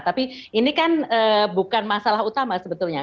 tapi ini kan bukan masalah utama sebetulnya